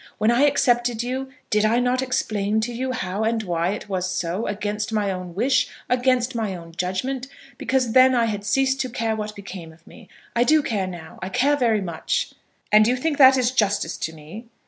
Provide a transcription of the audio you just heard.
When I accepted you, did I not explain to you how and why it was so, against my own wish, against my own judgment, because then I had ceased to care what became of me. I do care now. I care very much." "And you think that is justice to me?"